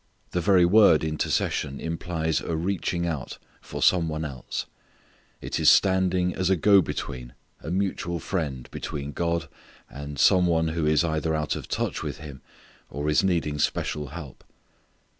The very word intercession implies a reaching out for some one else. It is standing as a go between, a mutual friend, between God and some one who is either out of touch with Him, or is needing special help.